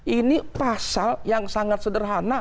ini pasal yang sangat sederhana